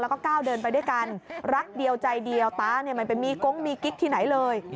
แล้วก็ก้าวเดินไปด้วยกันรักเดียวใจเดียวตาเนี่ยไม่ไปมีกงมีกิ๊กที่ไหนเลย